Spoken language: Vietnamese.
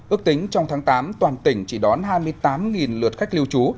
ước tính trong tháng tám toàn tỉnh chỉ đón hai mươi tám lượt khách lưu trú